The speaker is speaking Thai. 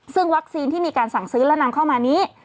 ซึ่งวัคซีนที่มีการสั่งซื้อและนำเข้ามานี้